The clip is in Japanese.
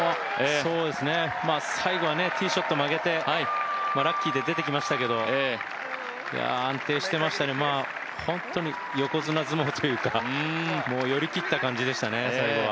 最後はティーショット曲げてラッキーで出てきましたけど安定してましたね、本当に横綱相撲というか最後は寄り切った感じでしたね。